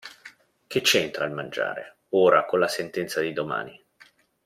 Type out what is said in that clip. Che c'entra il mangiare, ora, con la sentenza di domani?